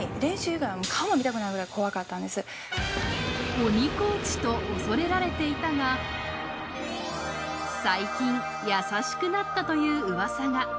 鬼コーチと恐れられていたが、最近優しくなったといううわさが。